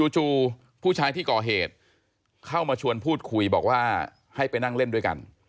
จู่ผู้ชายที่ก่อเหตุเข้ามาชวนพูดคุยบอกว่าให้ไปนั่งเล่นด้วยกัน